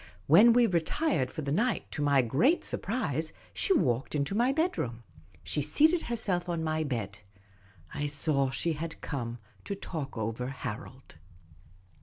When we retired for the night, to my great surprise, she walked into my bedroom. She seated herself on my bed : I saw she had come to talk over Harold.